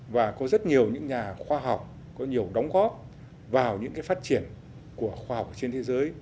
và có rất nhiều những nhà khoa học có nhiều đóng góp vào những phát triển của khoa học trên thế giới